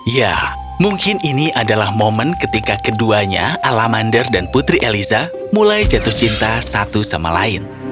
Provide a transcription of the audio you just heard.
ya mungkin ini adalah momen ketika keduanya alamander dan putri eliza mulai jatuh cinta satu sama lain